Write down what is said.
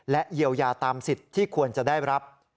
เยียวยาตามสิทธิ์ที่ควรจะได้รับ